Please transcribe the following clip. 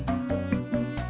kamu sama amin